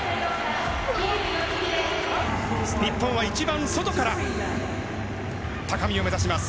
日本は一番外から高みを目指します。